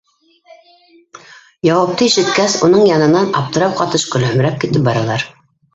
Яуапты ишеткәс, уның янынан аптырау ҡатыш көлөмһөрәп китеп баралар.